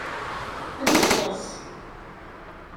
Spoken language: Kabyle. Tenniḍ-as.